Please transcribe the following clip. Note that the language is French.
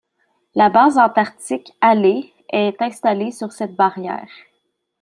La base antarctique Halley est installée sur cette barrière.